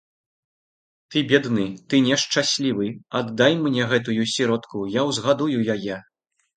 Ты бедны, ты нешчаслівы, аддай мне гэтую сіротку, я ўзгадую яе.